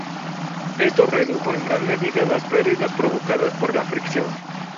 Esto redujo en gran medida las perdidas provocadas por la fricción.